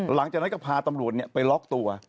หลังจากนั้นก็พาตำรวจไปล็อกตัว